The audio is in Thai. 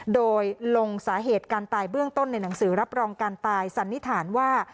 โดยลงสาเหตุการตายเบื้องต้นในหนังสือรับรองการตายสันนิษฐานว่า